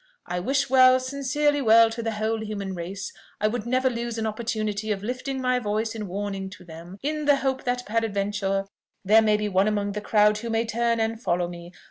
I wish well, sincerely well, to the whole human race: I would never lose an opportunity of lifting my voice in warning to them, in the hope that peradventure there may be one among the crowd who may turn and follow me.